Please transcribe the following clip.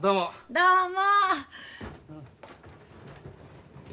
どうも。